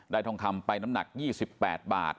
ทองคำไปน้ำหนัก๒๘บาท